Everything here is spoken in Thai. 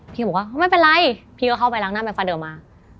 พี่ก็บอกว่าไม่เป็นไรพี่ก็เข้าไปล้างหน้ามา